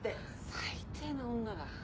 最低な女だ。